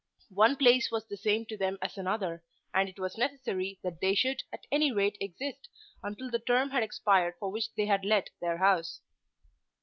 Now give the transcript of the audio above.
One place was the same to them as another, and it was necessary that they should at any rate exist until the term had expired for which they had let their house.